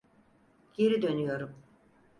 Geri dönüyorum.